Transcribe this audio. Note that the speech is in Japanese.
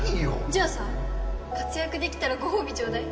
じゃあさ活躍できたらご褒美ちょうだい。